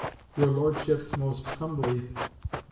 "Your Lordship's most humbly, "FR.